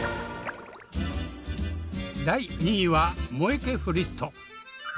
第２位はモエケフリット。